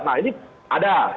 nah ini ada